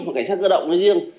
và cảnh sát cơ động nói riêng